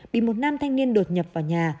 bị một nam thanh niên đột nhập vào nhà